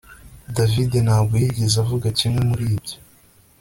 David ntabwo yigeze avuga kimwe muri ibyo